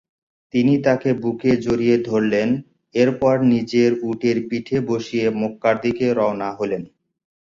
তিনি তাকে বুকে জড়িয়ে ধরলেন এরপর নিজের উটের পেছনে বসিয়ে মক্কার পথে রওয়ানা হলেন।